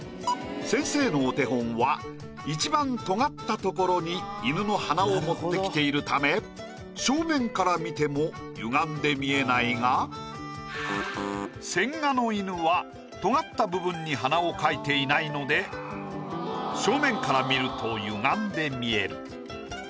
先生のお手本は一番尖った所に犬の鼻を持ってきているため正面から見てもゆがんで見えないが千賀の犬は尖った部分に鼻を描いていないので正面から見るとゆがんで見える。